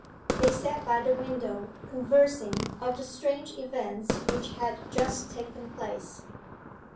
They sat by the window conversing of the strange events which had just taken place.